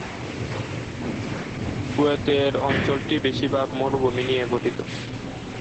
কুয়েতের অঞ্চলটি বেশিরভাগ মরুভূমি নিয়ে গঠিত।